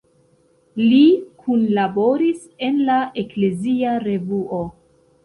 Li kunlaboris en la Eklezia Revuo.